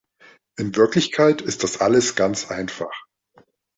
In Wirklichkeit ist das alles ganz einfach.